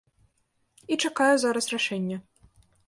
І чакаю зараз рашэння.